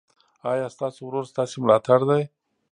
ایا ستاسو ورور ستاسو ملاتړ دی؟